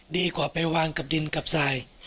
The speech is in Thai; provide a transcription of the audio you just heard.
ดีกว่าไปวางกับดินกับทราย